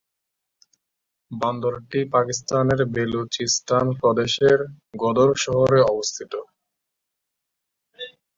বন্দরটি পাকিস্তানের বেলুচিস্তান প্রদেশের গদর শহরে অবস্থিত।